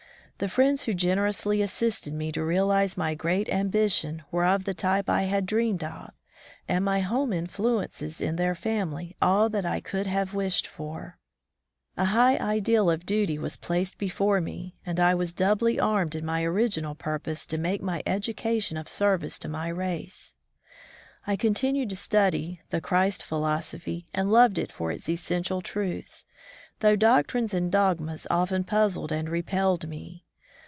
The friends who generously assisted me to realize my great ambition were of the type I had dreamed of, and my home influences in their family all that I could have wished for. A high ideal of duty was placed before me, and I was doubly armed in my original pur pose to make my education of service to my race. I continued to study the Christ philosophy and loved it for its essential truths, though doctrines and dogmas often puzzled and repelled me.